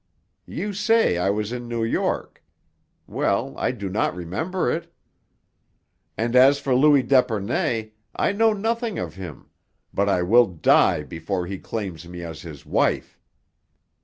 You say I was in New York. Well, I do not remember it. "And as for Louis d'Epernay, I know nothing of him but I will die before he claims me as his wife!"